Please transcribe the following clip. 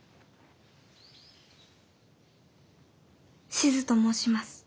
しずと申します。